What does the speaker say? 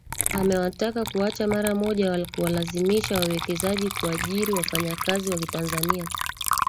Amewataka kuacha mara moja kuwalazimisha wawekezaji kuajiri wafanyakazi wa kitanzania